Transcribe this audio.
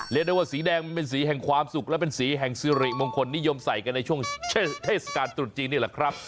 เรียกได้ว่าสีแดงมันเป็นสีแห่งความสุขและเป็นสีแห่งสิริมงคลนิยมใส่กันในช่วงเทศกาลตรุษจีนนี่แหละครับ